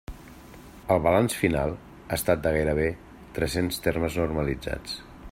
El balanç final ha estat de gairebé tres-cents termes normalitzats.